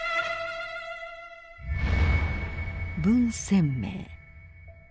文鮮明。